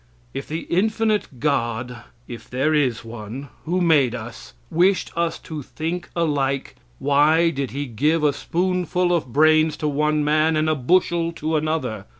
If the infinite God, if there is one, who made us, wished us to think alike, why did he give a spoonful of brains to one man, and a bushel to another?